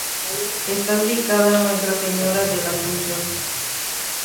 Está dedicada a Nuestra Señora de la Asunción.